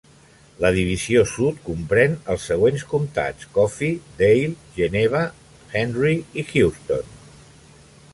La divisió sud comprèn els següents comtats: Coffee, Dale, Geneva, Henry i Houston.